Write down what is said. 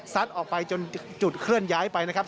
ออกไปจนจุดเคลื่อนย้ายไปนะครับ